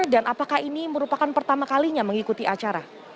dan apakah ini merupakan pertama kalinya mengikuti acara